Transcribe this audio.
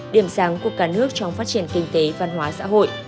điểm sáng của cả nước trong phát triển kinh tế văn hóa xã hội